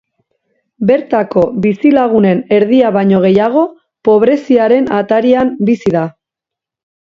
Bertako bizilagunen erdia baino gehiago pobreziaren atarian bizi da.